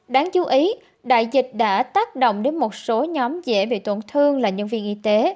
đáng chú ý đại dịch đã tác động đến một số nhóm dễ bị tổn thương là nhân viên y tế